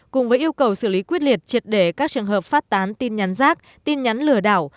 cùng với yêu cầu xử lý quyết liệt triệt để các trường hợp phát tán tin nhắn rác tin nhắn lừa đảo